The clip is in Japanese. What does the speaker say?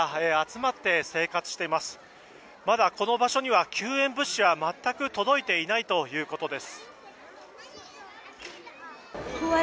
まだこの場所には救援物資は全く届いていないということです。